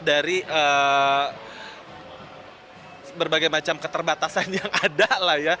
dari berbagai macam keterbatasan yang ada